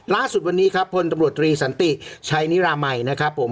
ล่าสุดวันนี้ครับพลตำรวจตรีสันติชัยนิรามัยนะครับผม